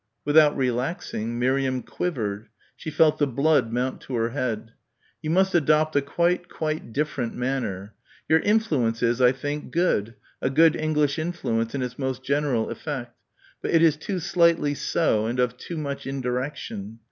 Without relaxing, Miriam quivered. She felt the blood mount to her head. "You must adopt a quite, quite different manner. Your influence is, I think, good, a good English influence in its most general effect. But it is too slightly so and of too much indirection.